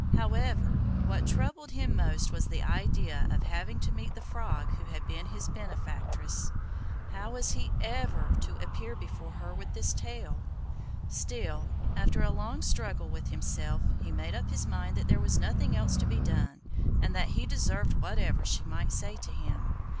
However, what troubled him most was the idea of having to meet the Frog who had been his benefactress. How was he ever to appear before her with this tale? Still, after a long struggle with himself, he made up his mind that there was nothing else to be done, and that he deserved whatever she might say to him.